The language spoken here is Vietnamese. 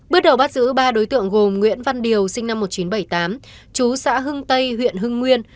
bước đầu bắt giữ ba đối tượng gồm nguyễn văn điều sinh năm một nghìn chín trăm bảy mươi tám chú xã hưng tây huyện hưng nguyên